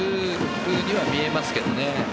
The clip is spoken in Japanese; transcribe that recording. ふうには見えますけどね。